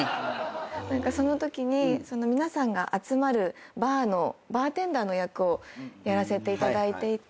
そのときに皆さんが集まるバーのバーテンダーの役をやらせていただいていて。